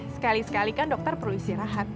sekali sekali kan dokter perlu istirahat